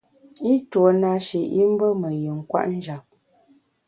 I tuo na shi i mbe me yin kwet njap.